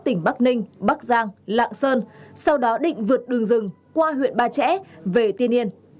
tỉnh bắc ninh bắc giang lạng sơn sau đó định vượt đường rừng qua huyện ba trẻ về tiên yên